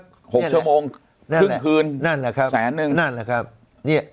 หกชั่วโมงครึ่งคืนนั่นแหละครับแสนนึงนั่นแหละครับเนี่ย